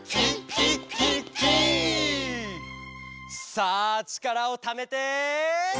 「さあちからをためて！」